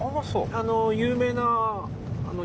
あの有名な屋台。